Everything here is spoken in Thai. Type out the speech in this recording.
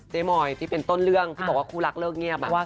มอยที่เป็นต้นเรื่องที่บอกว่าคู่รักเลิกเงียบ